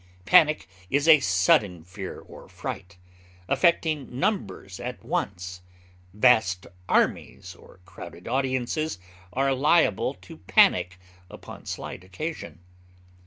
Panic is a sudden fear or fright, affecting numbers at once; vast armies or crowded audiences are liable to panic upon slight occasion.